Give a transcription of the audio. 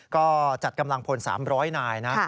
ก็จัดกำลังพล๓๐๐นายนะ